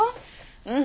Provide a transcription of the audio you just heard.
うん。